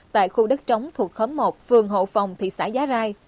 tại khu đất trống thuộc khóm một phường hậu phòng thị xã giá rai